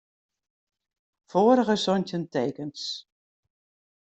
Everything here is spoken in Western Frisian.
Foarige santjin tekens.